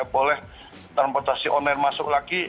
boleh transportasi online masuk lagi